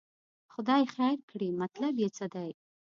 خدای خیر کړي، مطلب یې څه دی.